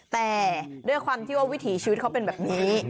แต่ด้วยความที่ว่าวิถีชีวิตเขาเป็นแบบนี้